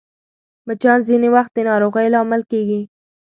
مچان ځینې وخت د ناروغۍ لامل کېږي